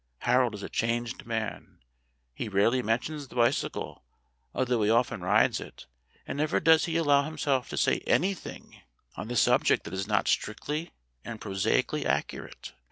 Harold is a changed man. He rarely mentions the bicycle, though he often rides it; and never does he allow himself to say anything on the 58 STORIES WITHOUT TEARS subject that is not strictly and prosaically accurate.